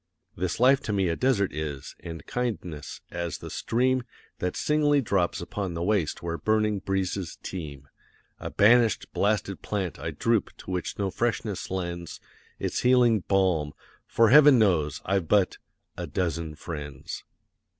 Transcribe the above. This life to me a desert is, and kindness, as the stream That singly drops upon the waste where burning breezes teem; A banished, blasted plant, I droop, to which no freshness lends Its healing balm, for Heaven knows, I've but a dozen friends.